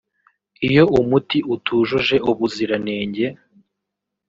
Iyo umuti utujuje ubuziranenge